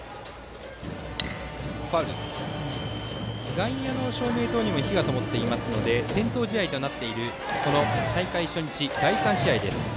外野の照明塔にも火がともっていますので点灯試合となっている大会初日の第３試合。